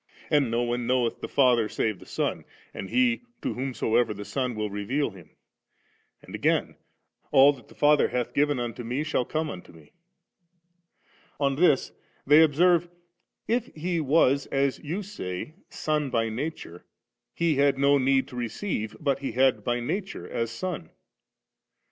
and no one knoweth the Father save the Son, and he to whomsoever the Son will reveal Him;* and again, *A11 that the Father hath given unto Me, shall come to MeV On this 5iey observe, * If He was, as ye say, Son by nature, He had no need to receive, but He had by nature as a Son.'